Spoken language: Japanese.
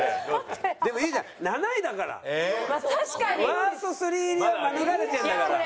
ワースト３入りは免れてるんだから。